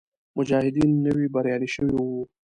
مجاهدین نوي بریالي شوي وو.